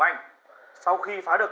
ai mà biết được